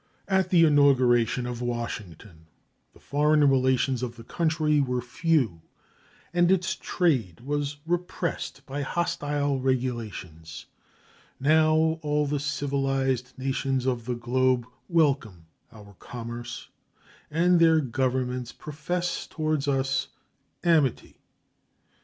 At the inauguration of Washington the foreign relations of the country were few and its trade was repressed by hostile regulations; now all the civilized nations of the globe welcome our commerce, and their governments profess toward us amity.